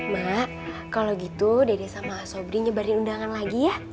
mak kalau gitu dede sama sobri nyebarin undangan lagi ya